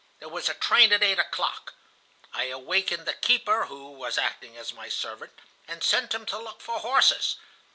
There was a train at eight o'clock. I awakened the keeper who was acting as my servant, and sent him to look for horses.